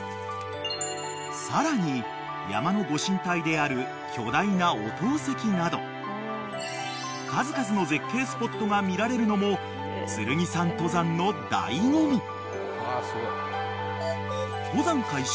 ［さらに山のご神体である巨大な御塔石など数々の絶景スポットが見られるのも剣山登山の醍醐味］